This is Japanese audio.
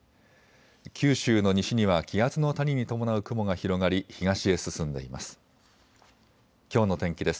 九州の西には気圧の谷に伴う雲が広がり東へ進んでいます。